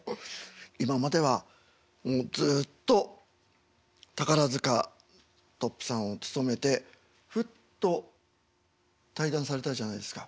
今まではずっと宝塚トップさんを務めてふっと退団されたじゃないですか。